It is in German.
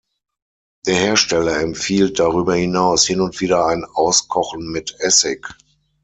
Der Hersteller empfiehlt darüber hinaus hin und wieder ein Auskochen mit Essig.